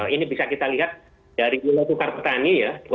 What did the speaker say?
ini bisa kita lihat dari nilai tukar petani ya